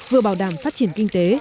vừa bảo đảm phát triển kinh tế